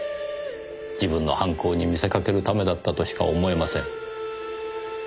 自分の犯行に見せかけるためだったとしか思えません。